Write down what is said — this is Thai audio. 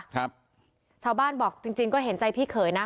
ชาวบ้านบอกจริงจริงก็เห็นใจพี่เขยนะ